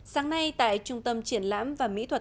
sáng nay tại trung tâm triển lãm và mỹ thuật